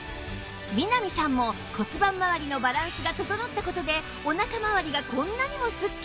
南さんも骨盤まわりのバランスが整った事でお腹まわりがこんなにもスッキリ